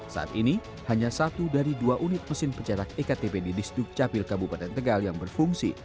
saat ini hanya satu dari dua unit mesin pencetak ektp di disduk capil kabupaten tegal yang berfungsi